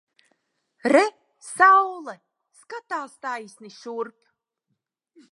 Re! Saule! Skatās taisni šurp!